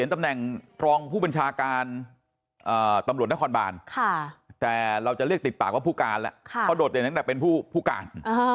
ตำแหน่งรองผู้บัญชาการตำรวจนครบานแต่เราจะเรียกติดปากว่าผู้การแล้วเขาโดดเด่นตั้งแต่เป็นผู้การ